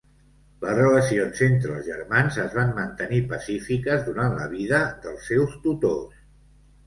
Les relacions entre els germans es van mantenir pacífiques durant la vida dels seus tutors.